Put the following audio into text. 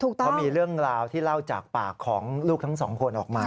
เพราะมีเรื่องราวที่เล่าจากปากของลูกทั้งสองคนออกมา